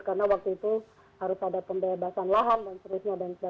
karena waktu itu harus ada pembebasan lahan dan sebagainya